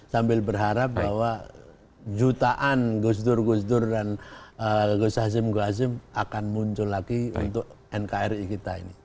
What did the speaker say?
sambil berharap bahwa jutaan gusdur gusdur dan gusasim gusasim akan muncul lagi untuk nkri kita ini